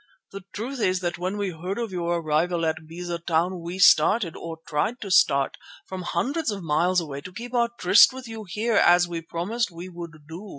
The truth is that when we heard of your arrival at Beza Town we started, or tried to start, from hundreds of miles away to keep our tryst with you here as we promised we would do.